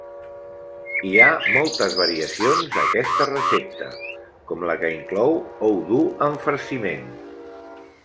Hi ha moltes variacions d'aquesta recepta, com la que inclou ou dur en farciment.